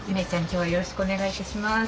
今日はよろしくお願いいたします。